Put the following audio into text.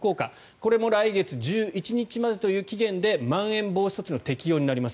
これも来月１１日までという期限でまん延防止措置の適用になります。